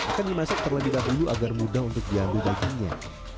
akan dimasak terlebih dahulu agar mudah untuk diambil dagingnya